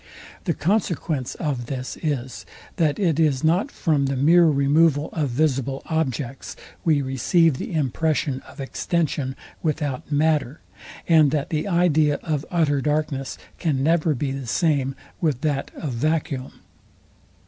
The consequence of this is, that it is not from the mere removal of visible objects we receive the impression of extension without matter; and that the idea of utter darkness can never be the same with that of vacuum.